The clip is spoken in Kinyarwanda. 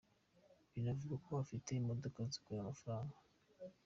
Binavugwa ko afite imodoka zikorera amafaranga.